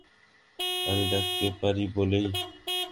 আমি ডাকতে পারি বলেই।